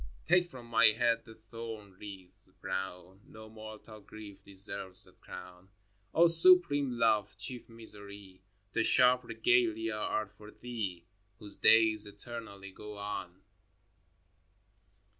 xx. Take from my head the thorn wreath brown ! No mortal grief deserves that crown. O supreme Love, chief Misery, The sharp regalia are for Thee Whose days eternally go on